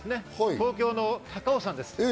東京の高尾山です。